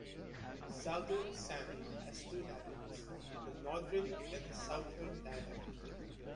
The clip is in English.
Southern Sami has two dialects, the northern and the southern dialect.